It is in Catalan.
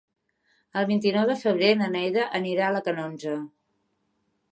El vint-i-nou de febrer na Neida anirà a la Canonja.